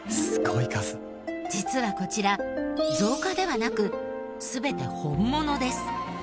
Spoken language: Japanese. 実はこちら造花ではなく全て本物です。